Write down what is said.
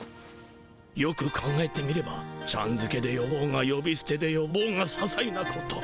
よく考えてみればちゃんづけでよぼうがよびすてでよぼうがささいなこと。